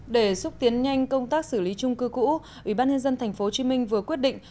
để xúc tiến nhanh công tác xử lý chung cư cũ ủy ban nhân dân tp hcm vừa quyết định